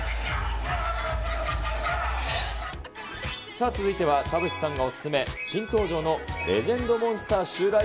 さあ、続いては田渕さんがお勧め、新登場のレジェンド・モンスター襲来